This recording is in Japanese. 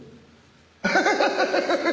アハハハッ！